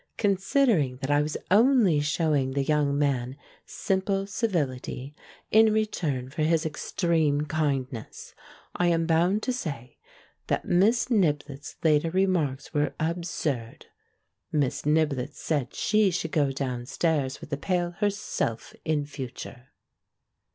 Considering that I was only showing the young man simple civility in return for his extreme kindness, I am bound to say that Miss Niblett's later remarks were absurd. Miss Nib lett said she should go downstairs with the pail herself in future.